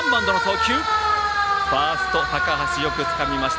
ファースト高橋よくつかみました。